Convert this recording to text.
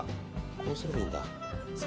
こうすればいいんだ。